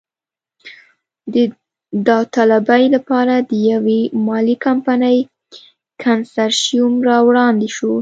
د داوطلبۍ لپاره د یوې مالي کمپنۍ کنسرشیوم را وړاندې شو.